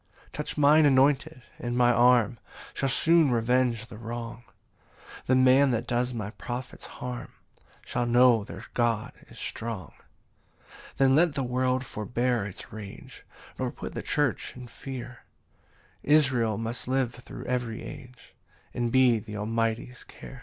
7 "Touch mine anointed, and my arm "Shall soon revenge the wrong: "The man that does my prophets harm Shall know their God is strong." 8 Then let the world forbear its rage, Nor put the church in fear: Israel must live thro' every age, And be th' Almighty's care.